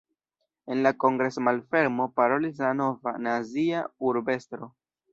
En la kongres-malfermo parolis la nova, nazia urb-estro.